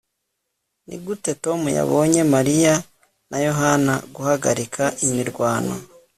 nigute tom yabonye mariya na yohana guhagarika imirwano